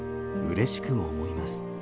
嬉しく思います」。